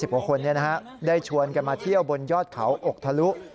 กว่าคนได้ชวนกันมาเที่ยวบนยอดเขาอกทะลุ